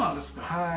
はい。